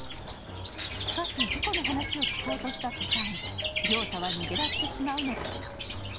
しかし、事故の話を聞こうとした途端良太は逃げ出してしまうのだった。